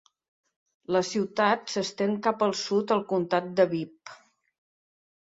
La ciutat s'estén cap al sud al comtat de Bibb.